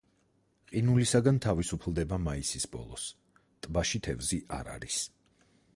ყინულისაგან თავისუფლდება მაისის ბოლოს, ტბაში თევზი არ არის.